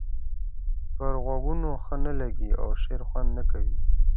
پر غوږونو ښه نه لګيږي او د شعر خوند نه کوي.